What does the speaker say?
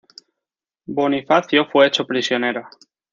Bonifacio fue hecho prisionero.